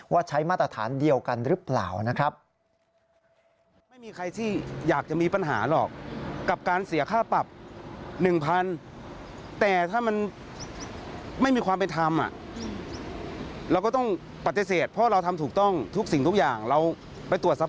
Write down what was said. ว่าใช้มาตรฐานเดียวกันหรือเปล่า